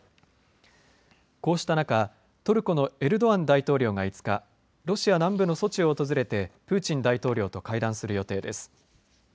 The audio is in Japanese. こうした中、トルコのエルドアン大統領が５日、ロシア南部のソチを訪れてプーチン大統領と会談する予定です。